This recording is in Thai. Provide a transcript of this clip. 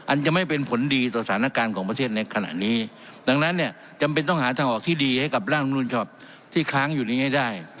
อันจะไม่เป็นผลดีต่อสถานการณ์ของประเทศในขณะนี้ดังนั้นเนี่ยจำเป็นต้องหาทางออกที่ดีให้กับร่างมนุนฉบับที่ค้างอยู่นี้ให้ได้